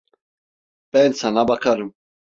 Ben sana bakarım.